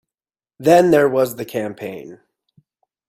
Then there was the campaign.